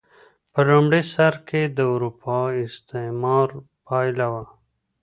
په لومړي سر کې د اروپايي استعمار پایله وه.